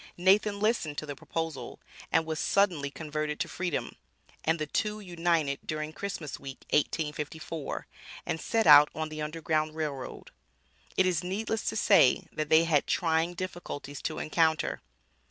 Nathan listened to the proposal, and was suddenly converted to freedom, and the two united during Christmas week, 1854, and set out on the Underground Rail Road. It is needless to say that they had trying difficulties to encounter.